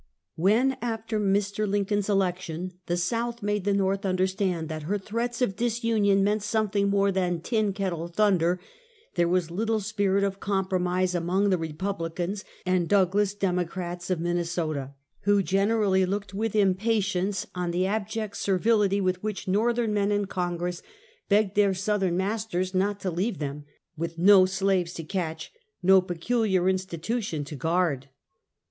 When, after Mr. Lincoln's election, the South made the ISTorth understand that her threats of disunion meant something more than "tin kettle thunder," there was little spirit of compromise among the Re publicans and Douglas Democrats of Minnesota, who generally looked with impatience on the abject servil ity with which ITorthern men in Congress begged their Southern masters not to leave them, with no slaves to catch, no peculiar institution to guard.